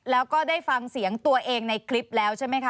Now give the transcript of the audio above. แล้วก็ได้ฟังเสียงตัวเองในคลิปแล้วใช่ไหมคะ